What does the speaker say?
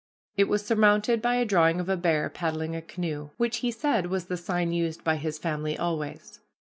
It was surmounted by a drawing of a bear paddling a canoe, which he said was the sign used by his family always.